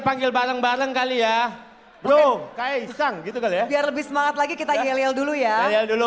panggil bareng bareng kali ya bro kaesang gitu ya biar lebih semangat lagi kita yel dulu ya dulu